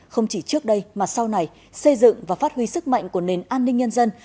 không chỉ trước đây mà sau này xây dựng và phát huy sức mạnh của nền an ninh nhân dân